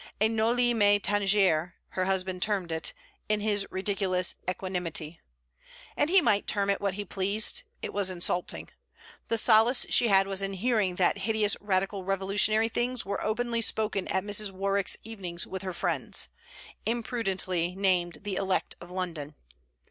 A noli me tangere, her husband termed it, in his ridiculous equanimity; and he might term it what he pleased it was insulting. The solace she had was in hearing that hideous Radical Revolutionary things were openly spoken at Mrs. Warwick's evenings with her friends: impudently named 'the elect of London.'